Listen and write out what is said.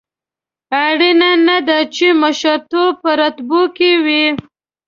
اړینه نه ده چې مشرتوب په رتبو کې وي.